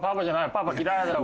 パパ嫌いだよ。